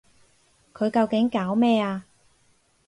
佢究竟搞咩啊？